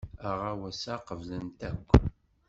Aɣawas-a qeblen-t akk.